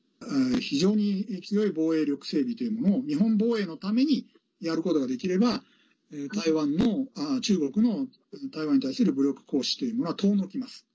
非常に強い防衛力整備というものを日本防衛のためにやることができれば中国の台湾に対する武力行使というものは遠のきます。